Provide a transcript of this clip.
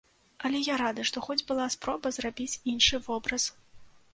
Але я рады, што хоць была спроба зрабіць іншы вобраз.